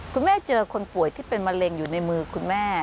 คุณแม่เจอคนป่วยที่เป็นมะเร็งอยู่ในมือคุณแม่